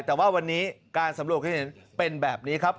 แต่ว่าวันนี้การสำรวจให้เห็นเป็นแบบนี้ครับ